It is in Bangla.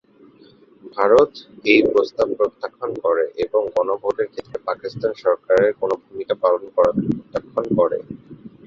ভারত এই প্রস্তাব প্রত্যাখ্যান করে এবং গণভোটের ক্ষেত্রে পাকিস্তান সরকারের কোনও ভূমিকা পালন করাকে প্রত্যাখান করে।